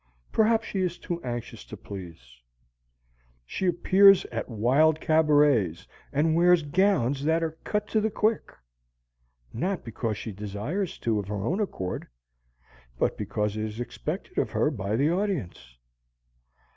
Perhaps she is too anxious to please. She appears at wild cabarets and wears gowns that are cut to the quick, not because she desires to of her own accord, but because it is expected of her by the audience.